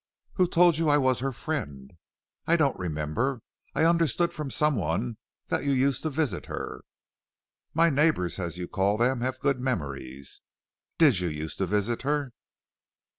"Who told you I was her friend?" "I don't remember; I understood from some one that you used to visit her." "My neighbors, as you call them, have good memories." "Did you use to visit her?"